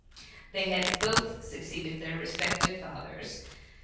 they had both succeeded their respective fathers.